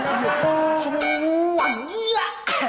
iya semua gila